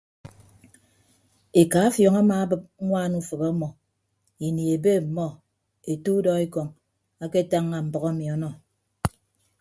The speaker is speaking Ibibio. Eka afiọñ amaabịp ñwaan ufịp ọmọ ini ebe ọmmọ ete udọekọñ aketañña mbʌk emi ọnọ.